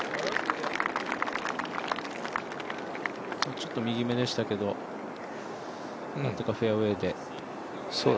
ちょっと右目でしたけれども、なんとかフェアウエーで。